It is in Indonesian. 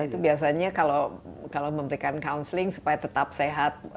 itu biasanya kalau memberikan counseling supaya tetap sehat